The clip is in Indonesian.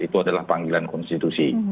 itu adalah panggilan konstitusi